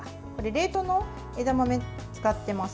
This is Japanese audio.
冷凍の枝豆を使っています。